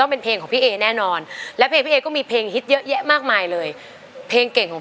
ตัวช่วยละครับเหลือใช้ได้อีกสองแผ่นป้ายในเพลงนี้จะหยุดทำไมสู้อยู่แล้วนะครับ